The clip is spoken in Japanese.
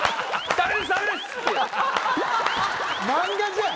漫画じゃん！